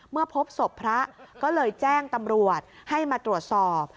พบศพพระก็เลยแจ้งตำรวจให้มาตรวจสอบ